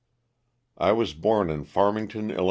T WAS born in Farmington, 111.